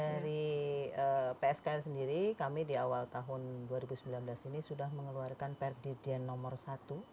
dari psk sendiri kami di awal tahun dua ribu sembilan belas ini sudah mengeluarkan perdidian nomor satu